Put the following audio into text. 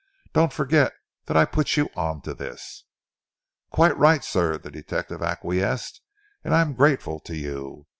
"Don't forget that I put you on to this." "Quite right, sir," the detective acquiesced, "and I am grateful to you.